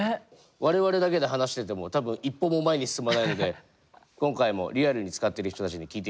我々だけで話してても多分一歩も前に進まないので今回もリアルに使ってる人たちに聞いてみましょう。